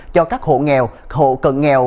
cho các hộ nghèo hộ cận nghèo